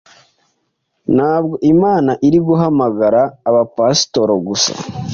Ntabwo Imana iri guhamagara abapasitoro gusa,